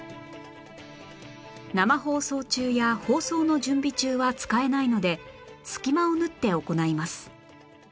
生放送中や放送の準備中は使えないので隙間を縫って行います